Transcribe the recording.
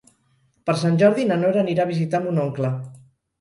Per Sant Jordi na Nora anirà a visitar mon oncle.